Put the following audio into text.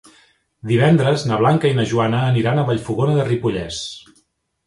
Divendres na Blanca i na Joana aniran a Vallfogona de Ripollès.